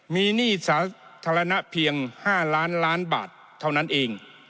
มีหนี้สาธารณะเพียง๕ล้านล้านบาทเท่านั้นเอง